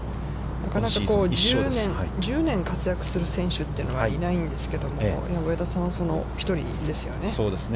なかなか１０年活躍する選手というのはいないんですけど、今、上田さんはその１人ですよね。